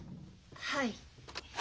はい。